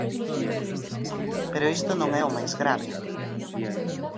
Pero isto non é o máis grave.